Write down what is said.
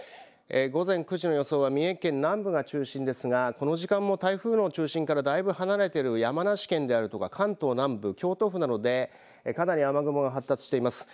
午前９時の予想は三重県南部が中心ですが、この時間も台風の中心からだいぶ離れている山梨県であるとか関東南部、京都府などでかなり雨雲が発達しています。